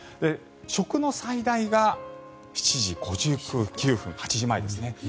食の最大が７時５９分８時前ですね。